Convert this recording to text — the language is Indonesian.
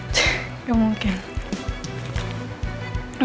tuh gak mungkin